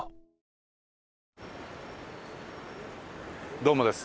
どうもです。